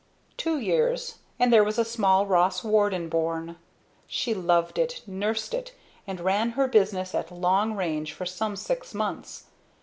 Two years, and there was a small Ross Warden born. She loved it, nursed it, and ran her business at long range for some six months.